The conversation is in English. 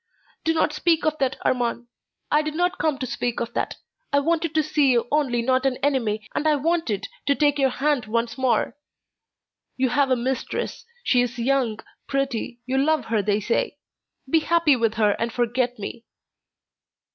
"Do not speak of that, Armand; I did not come to speak of that. I wanted to see you only not an enemy, and I wanted to take your hand once more. You have a mistress; she is young, pretty, you love her they say. Be happy with her and forget me."